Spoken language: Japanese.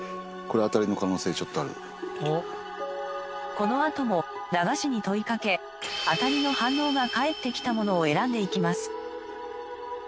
このあとも駄菓子に問いかけあたりの反応が返ってきたものを選んでいきます。